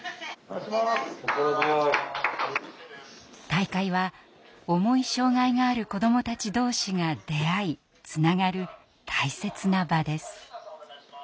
大会は重い障害がある子どもたち同士が出会いつながる大切な場です。